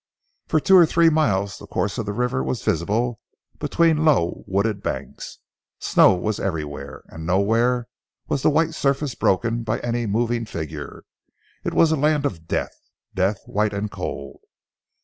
For two or three miles the course of the river was visible between low, wooded banks. Snow was everywhere, and nowhere was the white surface broken by any moving figure. It was a land of death death white and cold.